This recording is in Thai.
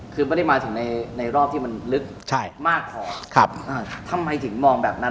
คือไม่ได้มาถึงในในรอบที่มันลึกใช่มากพอทำไมถึงมองแบบนั้น